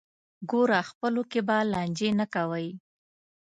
ګوره خپلو کې به لانجې نه کوئ.